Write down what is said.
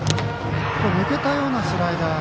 抜けたようなスライダー。